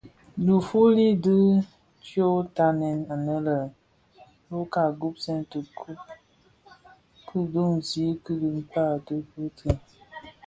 Difuli dü dyotanè anë lè luba gubsèn dhi tsog ki dunzi bi dhikpää di Guthrie.